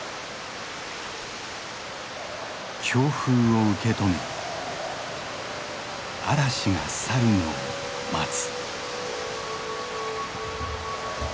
強風を受け止め嵐が去るのを待つ。